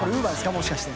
もしかして。